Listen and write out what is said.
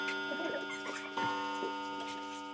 Podzimní práce byly zpožděny, statky jen se služebnými.